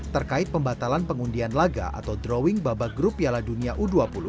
terkait pembatalan pengundian laga atau drawing babak grup piala dunia u dua puluh